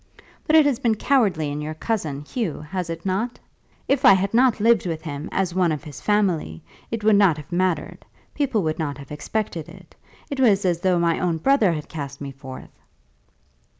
But it has been cowardly in your cousin, Hugh; has it not? If I had not lived with him as one of his family, it would not have mattered. People would not have expected it. It was as though my own brother had cast me forth."